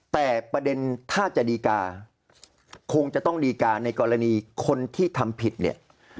แต่ประเด็นถ้าจะดีการคงจะต้องดีการในกรณีคนที่ทำผิดเนี่ย